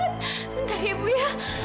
bentar ya bu ya